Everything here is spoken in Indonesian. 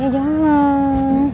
donut udah mau